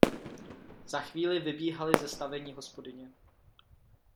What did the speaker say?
Za chvíli vybíhaly ze stavení hospodyně.